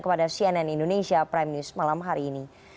kepada cnn indonesia prime news malam hari ini